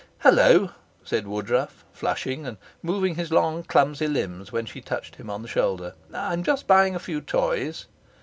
'Hello!' said Woodruff, flushing, and moving his long, clumsy limbs when she touched him on the shoulder. 'I'm just buying a few toys.'